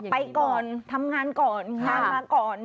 ไปก่อนทำงานก่อนงานมาก่อน